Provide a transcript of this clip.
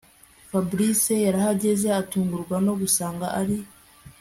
Fabric yarahageze atungurwa no gusanga ari